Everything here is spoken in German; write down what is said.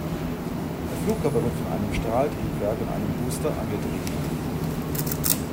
Der Flugkörper wird von einem Strahltriebwerk und einem Booster angetrieben.